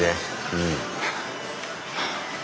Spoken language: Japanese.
うん。